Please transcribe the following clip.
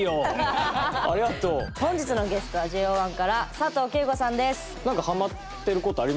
本日のゲストはＪＯ１から佐藤景瑚さんです。